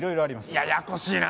ややこしいな。